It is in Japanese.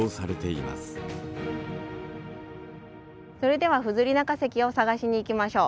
それではフズリナ化石を探しに行きましょう。